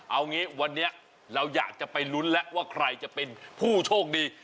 เอางี้วันนี้เราอยากจะไปลุ้นแล้วว่าใครจะเป็นผู้โชคดี